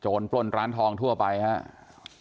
ปล้นร้านทองทั่วไปครับ